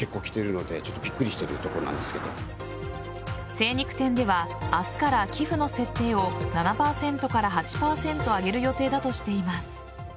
精肉店では明日から寄付の設定を７％から８％上げる予定だとしています。